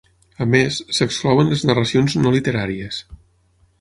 A més, s'exclouen les narracions no literàries.